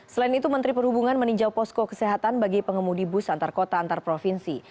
selain itu menteri perhubungan meninjau posko kesehatan bagi pengemudi bus antar kota antar provinsi